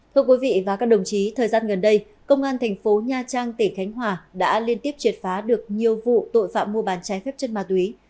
thưa quý vị và các đồng chí thời gian gần đây công an tp nha trang tỉnh khánh hòa đã liên tiếp triệt phá được nhiều vụ tội phạm mua bàn trái phép chân ma túy